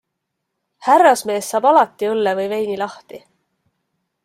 Härrasmees saab alati õlle või veini lahti.